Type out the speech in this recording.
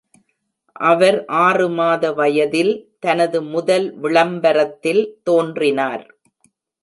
அவர் ஆறு மாத வயதில் தனது முதல் விளம்பரத்தில் தோன்றினார்.